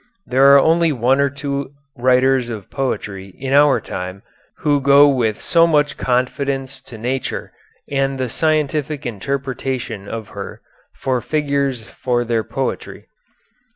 There are only one or two writers of poetry in our time who go with so much confidence to nature and the scientific interpretation of her for figures for their poetry.